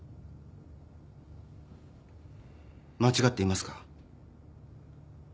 間違っていますか？